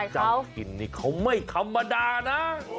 เจ้าถิ่นนี่เขาไม่ธรรมดานะ